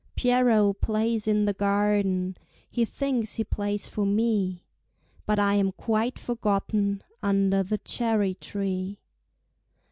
Pierrot plays in the garden, He thinks he plays for me, But I am quite forgotten Under the cherry tree.